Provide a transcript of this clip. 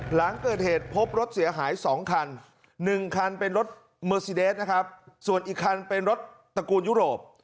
หลังเกิดเหตุพบรถเสียหาย๒คัน๑คันเป็นรถเมอร์ซีเดสนะครับส่วนอีกคันเป็นรถตระกูลยุโรป